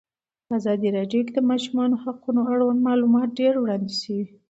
په ازادي راډیو کې د د ماشومانو حقونه اړوند معلومات ډېر وړاندې شوي.